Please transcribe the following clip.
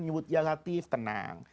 menyebut ya latif tenang